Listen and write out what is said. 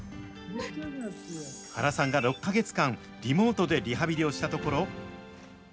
原さんが６か月間、リモートでリハビリをしたところ。